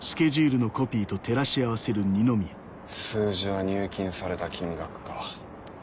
数字は入金された金額か。